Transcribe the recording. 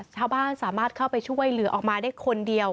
ชาวบ้านสามารถเข้าไปช่วยเหลือออกมาได้คนเดียว